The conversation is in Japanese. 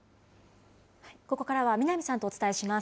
ここからは南さんとお伝えします。